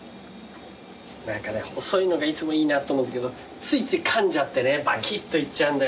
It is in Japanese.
何かね細いのがいつもいいなと思うけどついついかんじゃってねバキッといっちゃうんだよな。